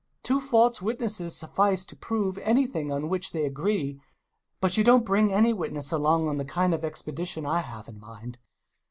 Two false witnesses suffice to prove, anything on which they agree, but you don't bring any witnesses along on the kind of ex pedition I have in mind.